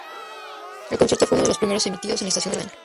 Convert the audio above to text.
El concierto fue uno de los primeros emitidos en la estación de año.